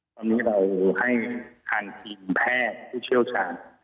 ตอนนี้เราให้ทางทีมแพทย์ผู้เชี่ยวชาญ